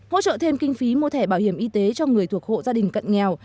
hỗ trợ thêm kinh phí mua thẻ bảo hiểm y tế cho người thuộc hộ gia đình cận nghèo